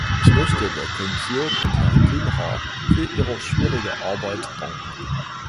Ich möchte der Kommission und Herrn Cunha für ihre schwierige Arbeit danken.